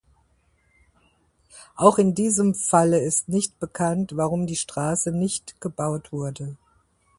Auch in diesem Fall ist nicht bekannt, warum die Strasse nicht gebaut wurde.